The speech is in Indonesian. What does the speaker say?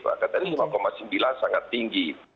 maka tadi lima sembilan sangat tinggi